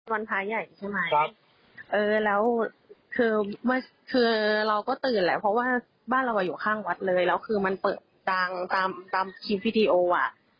วันพระใหญ่ใช่ไหมเออแล้วคือคือเราก็ตื่นแหละเพราะว่าบ้านเราอ่ะอยู่ข้างวัดเลยแล้วคือมันเปิดดังตามตามคลิปวิดีโออ่ะ